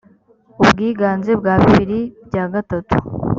ubwiganze bwa bibiri bya gatatu